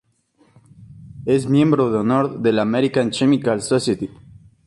Es miembro de honor de la American Chemical Society.